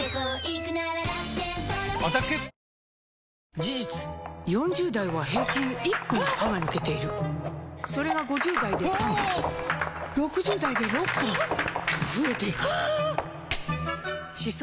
事実４０代は平均１本歯が抜けているそれが５０代で３本６０代で６本と増えていく歯槽